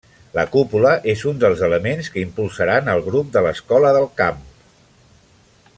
La cúpula és un dels elements que impulsaran el grup de l'Escola del Camp.